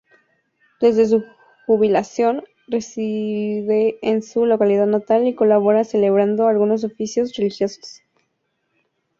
Desde su jubilación, reside en su localidad natal y colabora celebrando algunos oficios religiosos.